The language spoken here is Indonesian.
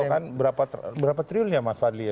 codokan berapa triulnya mas fadli ya